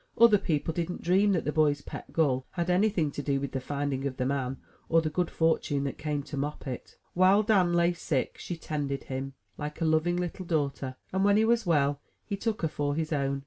Other people didn't dream that the boy's pet gull had anything to do with the finding of the man, or the good fortune that came to Moppet. While Dan lay sick, she tended him, like a loving little daughter; and, when he was well, he took her for his own.